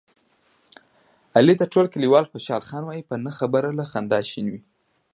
علي ته ټول کلیوال خوشحال خان وایي، په نه خبره له خندا شین وي.